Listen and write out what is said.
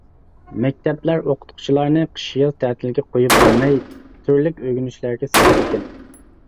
مەكتەپلەر ئوقۇتقۇچىلارنى قىش-ياز تەتىلگە قويۇپ بەرمەي، تۈرلۈك ئۆگىنىشلەرگە سالىدىكەن.